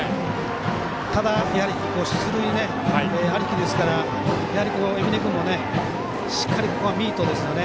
ただ、出塁ありきですから海老根君も、しっかりここはミートですよね。